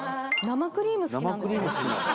生クリーム好きなんだね